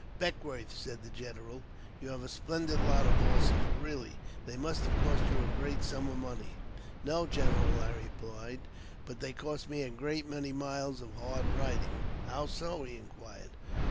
"Beckwourth," said the general "you have a splendid lot JAMES P. BECKWOUBTH. 393 of horses, really ; they must have cost you a great sum of money." "No, general," I replied, "but they cost me a great many miles of hard riding." " How so ?" he required.